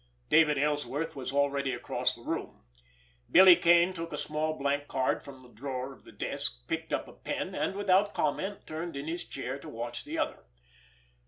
David Ellsworth was already across the room. Billy Kane took a small blank card from the drawer of the desk, picked up a pen, and, without comment, turned in his chair to watch the other.